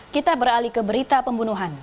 kita beralih ke berita pembunuhan